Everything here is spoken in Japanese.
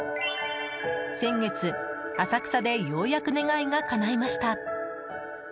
先月、浅草でようやく願いがかないました。